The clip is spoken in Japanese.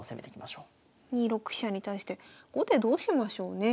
２六飛車に対して後手どうしましょうね？